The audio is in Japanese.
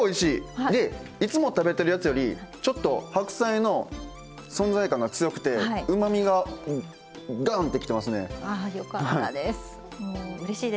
いつも食べてるやつよりちょっと白菜の存在感が強くてうまみが、がんってきてますね。